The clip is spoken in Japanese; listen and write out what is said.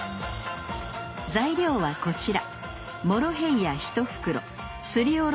材料はこちら！